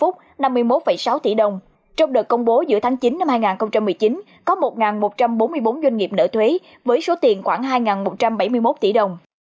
có một một trăm bốn mươi bốn doanh nghiệp nợ thuế với số tiền khoảng hai một trăm bảy mươi một tỷ đồng